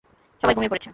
সবাই ঘুমিয়ে পড়েছে।